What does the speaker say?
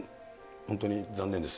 本当に残念です。